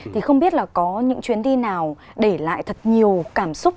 thì không biết là có những chuyến đi nào để lại thật nhiều cảm xúc